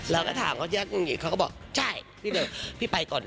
เราก็ถามเขาที่รักมันหงิดเขาก็บอกใช่พี่แจ๊กพี่ไปก่อนนะ